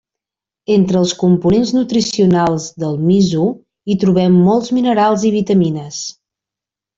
Entre els components nutricionals del miso hi trobem molts minerals i vitamines.